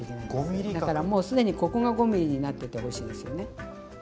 だからもう既にここが５ｍｍになっててほしいですよね。